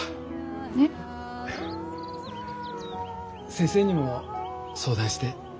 先生にも相談して。